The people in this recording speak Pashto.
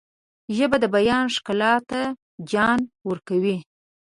ژبه د بیان ښکلا ته جان ورکوي